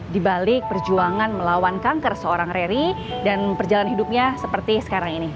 di balik perjuangan melawan kanker seorang rary dan perjalanan hidupnya seperti sekarang ini